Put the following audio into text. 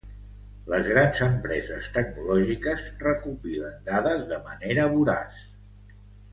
Les grans empreses tecnològiques recopilen dades de manera voraç.